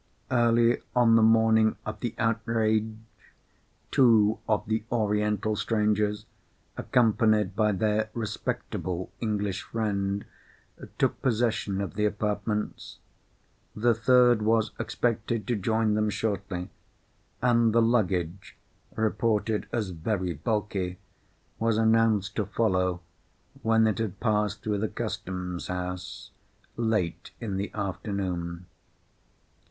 Early on the morning of the outrage, two of the Oriental strangers, accompanied by their respectable English friend, took possession of the apartments. The third was expected to join them shortly; and the luggage (reported as very bulky) was announced to follow when it had passed through the Custom house, late in the afternoon.